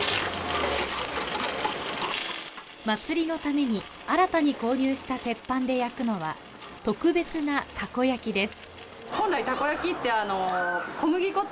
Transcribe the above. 祭りのために新たに購入した鉄板で焼くのは特別な、たこ焼きです。